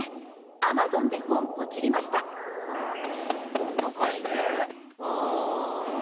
本の回ね。